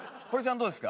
どうですか？